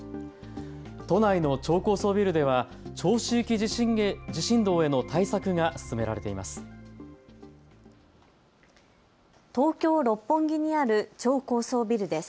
都内の超高層ビルでは長周期地震動への対策が進められています。